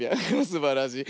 すばらしい。